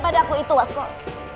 pada aku itu waskol